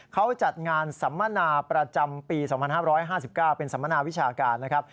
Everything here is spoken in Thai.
เขาจัดงานสัมมนาประจำปี๒๕๕๙เป็นสัมมนาวิชาการนะครับ